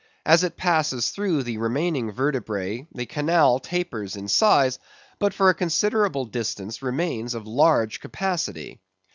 As it passes through the remaining vertebræ the canal tapers in size, but for a considerable distance remains of large capacity.